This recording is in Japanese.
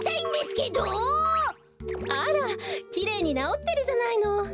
あらきれいになおってるじゃないの。